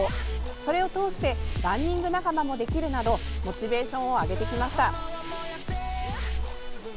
それを通してランニング仲間もできるなどモチベーションを上げてきました。